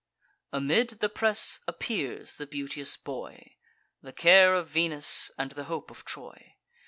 Amid the press appears the beauteous boy, The care of Venus, and the hope of Troy.